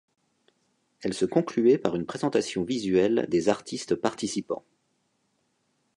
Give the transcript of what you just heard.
Elles se concluaient par une présentation visuelle des artistes participants.